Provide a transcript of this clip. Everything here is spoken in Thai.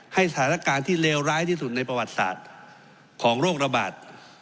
สถานการณ์ที่เลวร้ายที่สุดในประวัติศาสตร์ของโรคระบาด